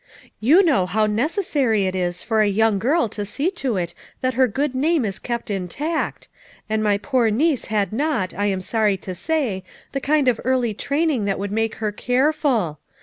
You know how neces sary it is for a young girl to see to it that her good name is kept intact, and my poor niece had not, I am sorry to say the kind of early training that would make her careful.